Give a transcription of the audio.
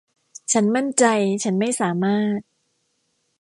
ฉันมั่นใจฉันไม่สามารถ